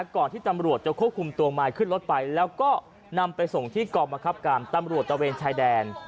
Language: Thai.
ก่อนที่ตำรวจจะควบคุมตัวมายขึ้นรถไปแล้วก็นำไปส่งที่กองบังคับการตำรวจตะเวนชายแดน